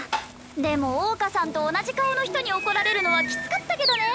でも桜花さんと同じ顔の人に怒られるのはきつかったけどね。